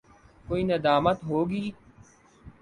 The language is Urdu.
کوئی ندامت ہو گی؟